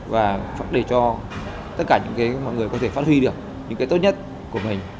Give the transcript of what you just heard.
và để cho tất cả những cái mọi người có thể phát huy được những cái tốt nhất của mình